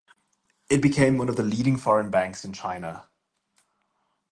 It became one of the leading foreign banks in China.